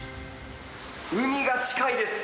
海が近いです。